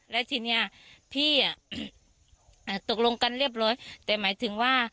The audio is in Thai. แล้วทีนี้พี่ตกลงกันเรียบร้อยแต่หมายถึงว่า